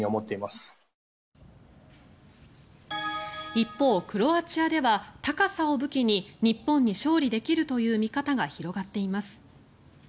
一方、クロアチアでは高さを武器に日本に勝利できるという見方が広がっています。